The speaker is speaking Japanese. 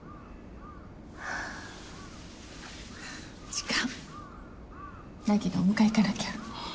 時間凪のお迎え行かなきゃ。